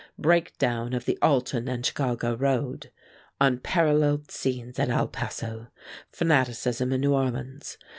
Breakdown of the Alton & Chicago road. Unparalleled scenes at El Paso. Fanaticism in New Orleans.